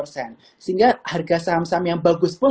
sehingga harga saham saham yang bagus pun